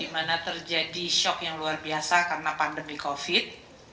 karena terjadi shock yang luar biasa karena pandemi covid